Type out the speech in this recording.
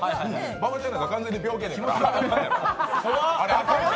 馬場ちゃんなんか完全に病気やないか。